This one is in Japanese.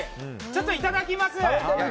ちょっといただきます。